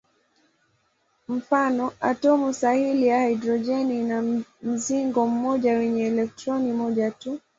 Mfano: atomu sahili ya hidrojeni ina mzingo mmoja wenye elektroni moja tu.